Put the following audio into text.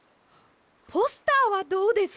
ポスターはどうです？